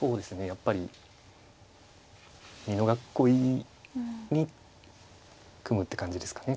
やっぱり美濃囲いに組むって感じですかね